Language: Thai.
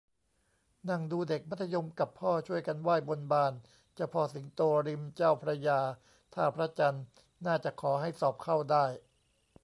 นั่งดูเด็กมัธยมกับพ่อ ช่วยกันไหว้บนบานเจ้าพ่อสิงโตริมเจ้าพระยาท่าพระจันทร์ น่าจะขอให้สอบเข้าได้